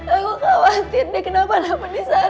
aku khawatir dia kenapa namun disalah